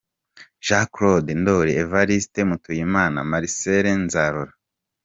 Jean Claude Ndoli, Evaristse Mutuyimana, Marcel Nzarora.